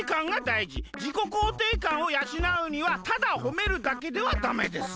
自己肯定感をやしなうにはただほめるだけではダメです。